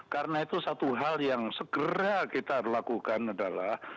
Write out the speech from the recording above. karena itu satu hal yang segera kita lakukan adalah